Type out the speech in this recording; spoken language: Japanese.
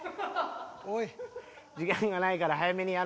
時間がないから早めにやろうか。